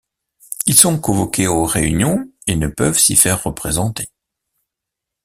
Ils sont convoqués aux réunions et ne peuvent s'y faire représenter.